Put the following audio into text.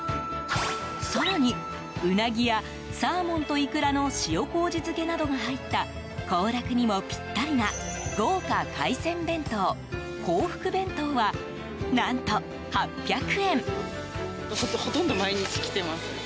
更に、ウナギやサーモンとイクラの塩こうじ漬けなどが入った行楽にもぴったりな豪華海鮮弁当、洪福弁当は何と、８００円。